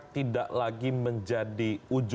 tidak lagi menjadi ujung tanduk